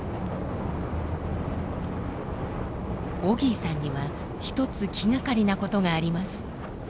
オギーさんにはひとつ気がかりなことがあります。